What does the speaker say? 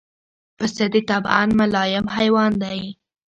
پسه د طبعاً ملایم حیوان دی.